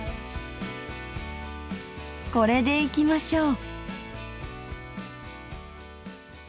これでいきましょう。